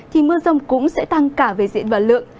thì mưa rông cũng sẽ tăng cả về diện và lượng